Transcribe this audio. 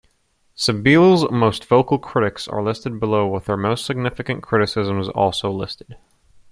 Sabeel's most vocal critics are listed below with their most significant criticisms also listed.